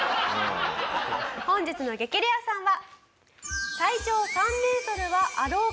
本日の激レアさんは。